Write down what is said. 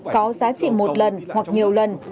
có giá trị một lần hoặc nhiều lần